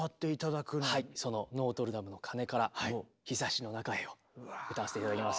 その「ノートルダムの鐘」から「陽ざしの中へ」を歌わせて頂きます。